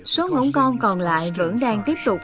số ngỗng con còn lại vẫn đang tiếp tục